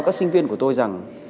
các sinh viên của tôi rằng